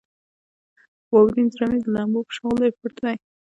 واورین زړه مې د لمبو په شغلې پټ دی.